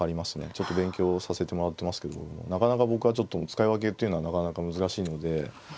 ちょっと勉強させてもらってますけどもなかなか僕はちょっと使い分けっていうのはなかなか難しいので。